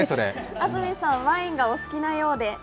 安住さん、ワインがお好きなようで。